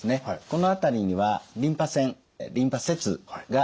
この辺りにはリンパ腺リンパ節があります。